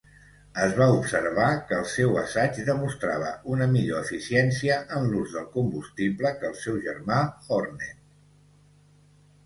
Es va observar que el seu assaig demostrava una millor eficiència en l'ús del combustible que el seu germà "Hornet".